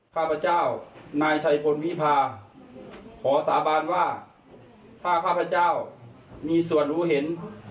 ข้าพเจ้านายชัยพลวิพาขอสาบานว่าถ้าข้าพเจ้ามีส่วนรู้เห็น